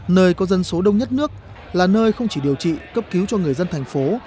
nơi có dân số đông nhất nước là nơi không chỉ điều trị cấp cứu cho người dân thành phố